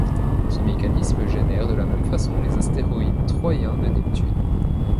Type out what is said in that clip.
Ce mécanisme génère de la même façon les astéroïdes troyens de Neptune.